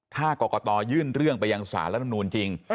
ถ้ากรกตยื่นเรื่องไปยังสารรัฐมนูลจริง